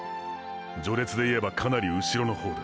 序列で言えばかなりうしろの方だ。